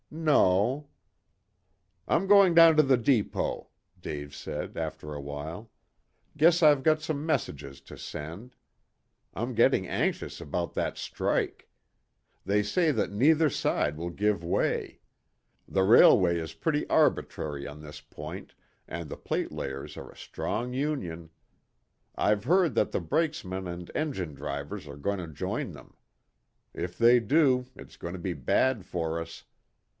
"No." "I'm going down to the depot," Dave said after a while. "Guess I've got some messages to send. I'm getting anxious about that strike. They say that neither side will give way. The railway is pretty arbitrary on this point, and the plate layers are a strong union. I've heard that the brakesmen and engine drivers are going to join them. If they do, it's going to be bad for us.